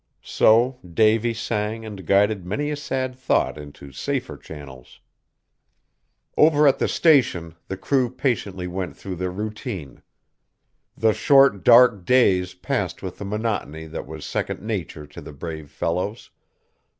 So Davy sang and guided many a sad thought into safer channels. Over at the Station the crew patiently went through their routine. The short dark days passed with the monotony that was second nature to the brave fellows.